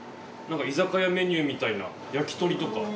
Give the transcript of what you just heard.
なんか居酒屋メニューみたいな焼き鳥とか。